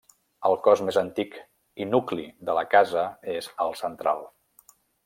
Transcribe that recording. El cos més antic i nucli de la casa és el central.